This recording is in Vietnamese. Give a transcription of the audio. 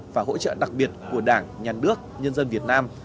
và hỗ trợ đặc biệt của đảng nhà nước nhân dân việt nam